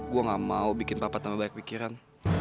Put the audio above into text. gue gak mau bikin papa tambah banyak pikiran